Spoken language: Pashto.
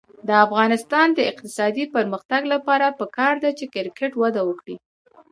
د افغانستان د اقتصادي پرمختګ لپاره پکار ده چې کرکټ وده وکړي.